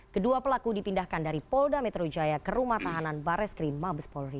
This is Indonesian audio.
kedua pelaku dipindahkan dari polda metro jaya ke rumah tahanan bareskrim mabes polri